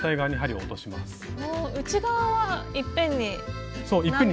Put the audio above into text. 内側はいっぺんに何個も。